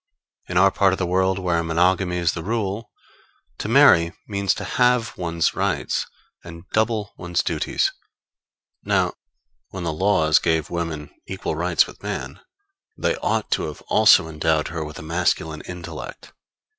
In our part of the world where monogamy is the rule, to marry means to halve one's rights and double one's duties. Now, when the laws gave women equal rights with man, they ought to have also endowed her with a masculine intellect.